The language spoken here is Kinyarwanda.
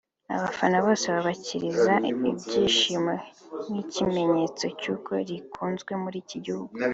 abafana bose babakiriza ibyishimo nk’ikimenyetso cy’uko rikunzwe muri iki gihugu